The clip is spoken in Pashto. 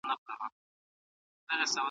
که ښوونکی حاضر وي نو ټولګی نه ګډوډېږي.